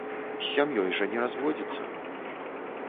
З сям'ёй жа не разводзіцца!